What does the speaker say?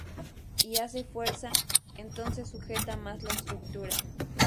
Y hace fuerza, entonces sujeta más la estructura.